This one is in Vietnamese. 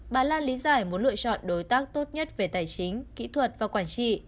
bà lan lý giải muốn lựa chọn đối tác tốt nhất về tài chính kỹ thuật và quản trị